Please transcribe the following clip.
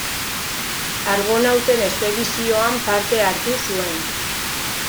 Argonauten espedizioan parte hartu zuen.